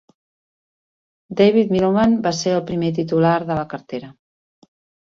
David Millband va ser el primer titular de la cartera.